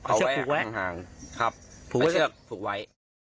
เอาไว้ทางครับผูกไว้